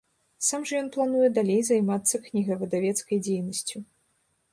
Сам жа ён плануе далей займацца кнігавыдавецкай дзейнасцю.